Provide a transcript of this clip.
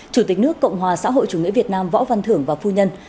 chủ tịch nước cộng hòa xã hội chủ nghĩa việt nam võ văn thưởng và phu nhân